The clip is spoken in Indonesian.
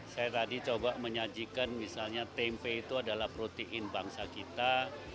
saya tadi coba menyajikan misalnya tempe itu adalah protein bangsa kita